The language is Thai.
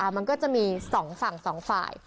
มันก็จะมี๒ฝั่ง๒ฝ่าย